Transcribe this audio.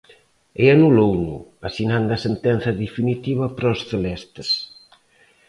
E anulouno, asinando a sentenza definitiva para os celestes.